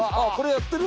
やってる？